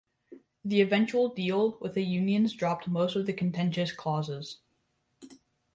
The eventual deal with the unions dropped most of the contentious clauses.